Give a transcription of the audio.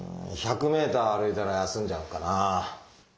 １００ｍ歩いたら休んじゃうかなあ。